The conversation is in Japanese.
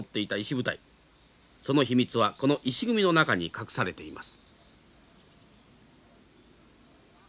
その秘密はこの石組みの中に隠されています。